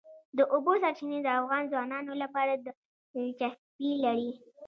د اوبو سرچینې د افغان ځوانانو لپاره دلچسپي لري.